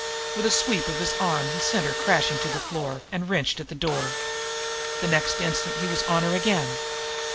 With a sweep of his arm he sent her crashing to the floor, and wrenched at the door. The next instant he was on her again.